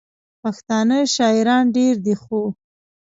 پښتانه شاعران ډېر دي، خو: